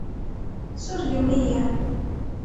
Surgem-iyi!